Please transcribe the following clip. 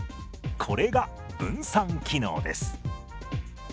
これが分散機能です。